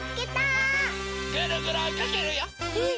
ぐるぐるおいかけるよ！